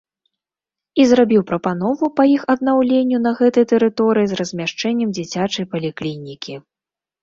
І зрабіў прапанову па іх аднаўленню на гэтай тэрыторыі з размяшчэннем дзіцячай паліклінікі.